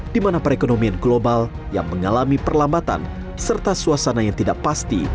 di mana perekonomian global yang mengalami perlambatan serta suasana yang tidak pasti